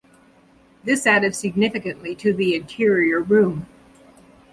This added significantly to the interior room.